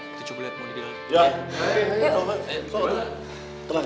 kita coba liat mohon di dalam